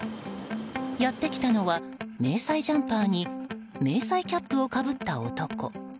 やってきたのは迷彩ジャンパーに迷彩キャップをかぶった男。